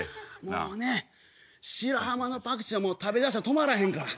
もうね白浜のパクチーは食べだしたら止まらへんから。